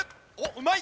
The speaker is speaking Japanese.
うまい！